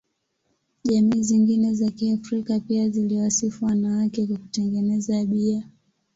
Jamii zingine za Kiafrika pia ziliwasifu wanawake kwa kutengeneza bia.